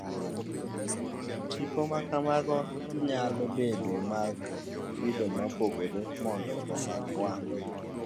Tipo ma kamago nyalobedo mag kido mopogore mondo omak wang'.